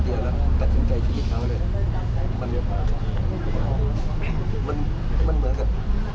เพราะมันเรียกอะไรกับคุณมาไม่ทัน